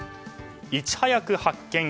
いち早く発見。